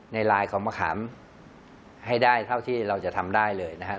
ลายของมะขามให้ได้เท่าที่เราจะทำได้เลยนะครับ